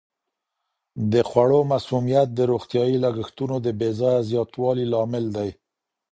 د خوړو مسمومیت د روغتیايي لګښتونو د بې ځایه زیاتوالي لامل دی.